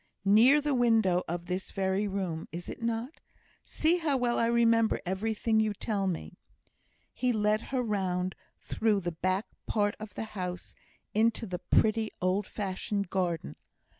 Near the window of this very room, is it not? See how well I remember everything you tell me." He led her round through the back part of the house into the pretty old fashioned garden.